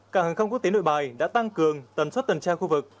cảng hàng không quốc tế nội bài đã tăng cường tầm suất tần tra khu vực